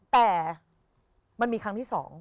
แต่มันมีครั้งที่๒